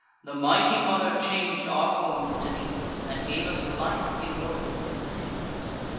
The mighty Mother chang'd our forms to these, And gave us life immortal in the seas.